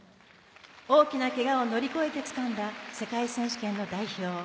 大きなけがを乗り越えてつかんだ世界選手権の代表。